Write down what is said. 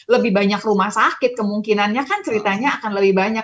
lebih banyak rumah sakit kemungkinannya kan ceritanya akan lebih banyak